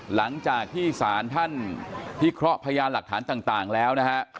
หลังจากที่สารท่านพิเคราะห์พยานหลักฐานต่างแล้วนะฮะ